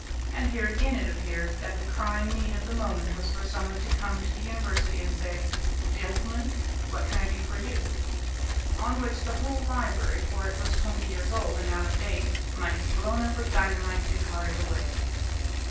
And here again it appeared that the crying need of the moment was for someone to come to the university and say, "Gentlemen, what can I do for you?" On which the whole library, for it was twenty years old and out of date, might be blown up with dynamite and carted away.